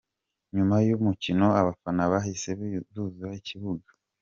Nyuma y’umukino abafana bahise buzura ikibuga.